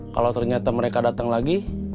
kalau ternyata mereka datang lagi